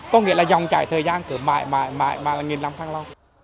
có nghĩa là dòng trải thời gian cứ mãi mãi mãi mãi là nghìn năm tháng lâu